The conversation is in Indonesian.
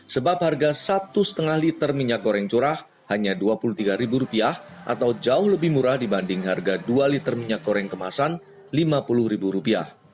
sebab harga satu lima liter minyak goreng curah hanya rp dua puluh tiga atau jauh lebih murah dibanding harga dua liter minyak goreng kemasan rp lima puluh